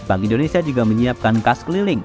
bank indonesia juga menyiapkan kas keliling